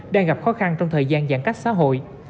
đang gặp khó khăn trong thời gian giãn cách xã hội